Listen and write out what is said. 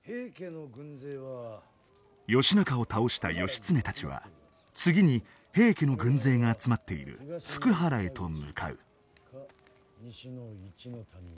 義仲を倒した義経たちは次に平家の軍勢が集まっている福原へと向かう。